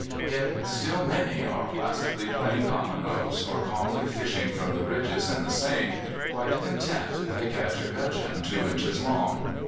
Yet still many are placidly playing dominoes, or calmly fishing from the bridges in the Seine, quite content if they catch a gudgeon two inches long.